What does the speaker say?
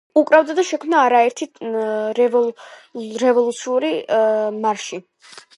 უკრავდა და შექმნა არაერთი რევოლუციური მარში.